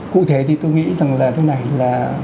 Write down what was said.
cụ thể thì tôi nghĩ rằng là thế này là